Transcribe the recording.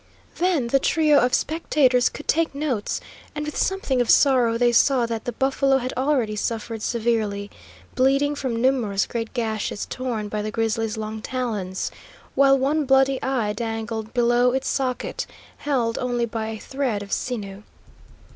Then the trio of spectators could take notes, and with something of sorrow they saw that the buffalo had already suffered severely, bleeding from numerous great gashes torn by the grizzly's long talons, while one bloody eye dangled below its socket, held only by a thread of sinew.